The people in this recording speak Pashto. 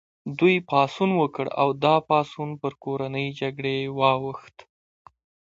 دوی پاڅون وکړ او دا پاڅون پر کورنۍ جګړې واوښت.